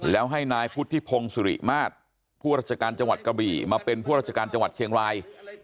แล้วให้นายพุทธิพงศ์สุริมาตรผู้ราชการจังหวัดกะบี่มาเป็นผู้ราชการจังหวัดเชียงราย